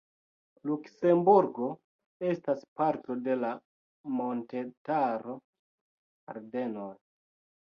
Luksemburgo estas parto de la montetaro Ardenoj.